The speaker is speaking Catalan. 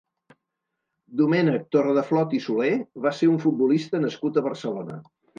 Domènec Torredeflot i Solé va ser un futbolista nascut a Barcelona.